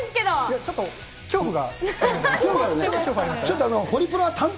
ちょっと恐怖が。